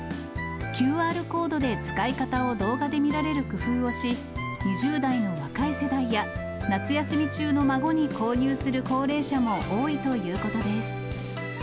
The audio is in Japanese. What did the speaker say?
ＱＲコードで使い方を動画で見られる工夫をし、２０代の若い世代や、夏休み中の孫に購入する高齢者も多いということです。